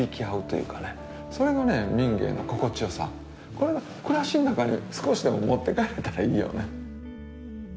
これが暮らしの中に少しでも持って帰れたらいいよね。